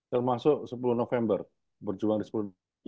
termasuk sepuluh november berjuang di sepuluh